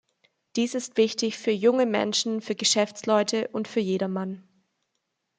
Dies ist wichtig für junge Menschen, für Geschäftsleute und für jedermann.